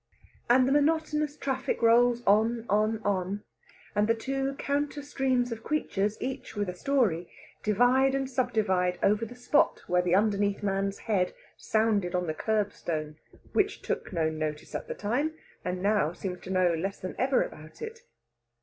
And the monotonous traffic rolls on, on, on; and the two counter streams of creatures, each with a story, divide and subdivide over the spot where the underneath man's head sounded on the kerbstone, which took no notice at the time, and now seems to know less than ever about it.